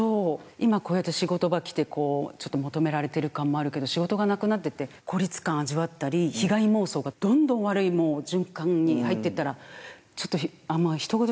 今こうやって仕事場来てこう求められてる感もあるけど仕事がなくなってって孤立感味わったり被害妄想がどんどん悪い循環に入ってったらちょっとあんま。